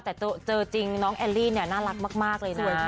แต่เจอจริงน้องแอลลี่เนี่ยน่ารักมากเลยนะ